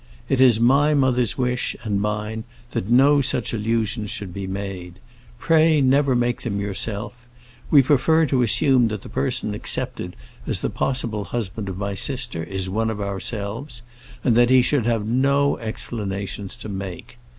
It is my mother's wish, and mine, that no such allusions should be made. Pray never make them yourself. We prefer to assume that the person accepted as the possible husband of my sister is one of ourselves, and that he should have no explanations to make.